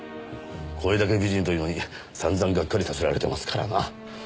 声だけ美人というのにさんざんがっかりさせられてますからな。